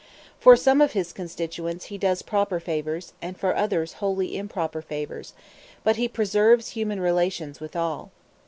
For some of his constituents he does proper favors, and for others wholly improper favors; but he preserves human relations with all.